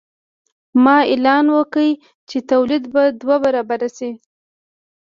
ماوو اعلان وکړ چې تولید به دوه برابره شي.